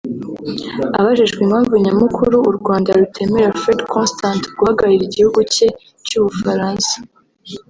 Abajijwe impamvu nyamukuru u Rwanda rutemerera Fred Constant guhagararira igihugu cye cy’u Bufaransa